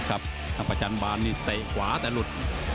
อัพประจันบานเตะขวาแต่หลุด